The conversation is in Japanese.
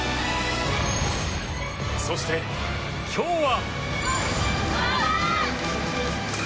そして、今日は。